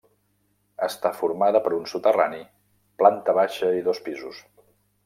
Està formada per un soterrani, planta baixa i dos pisos.